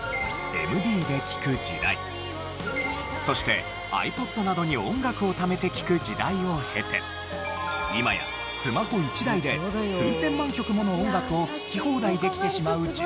そしてｉＰｏｄなどに音楽をためて聴く時代を経て今やスマホ１台で数千万曲もの音楽を聴き放題できてしまう時代に。